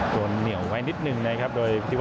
วนเหนียวไว้นิดนึงนะครับ